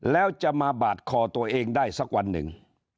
แล้วจะมาบาดคอตัวเองได้สักวันหนึ่ง